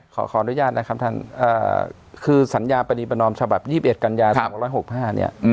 ขออนุญาตนะครับท่านคือสัญญาปณีประนอมฉบับ๒๑กันยา๒๖๕เนี่ย